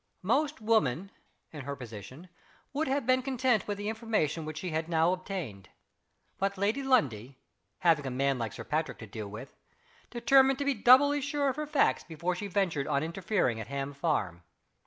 Most women, in her position, would have been content with the information which she had now obtained. But Lady Lundie having a man like Sir Patrick to deal with determined to be doubly sure of her facts before she ventured on interfering at Ham Farm.